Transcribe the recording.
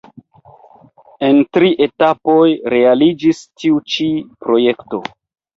En tri etapoj realiĝis tiu ĉi projekto.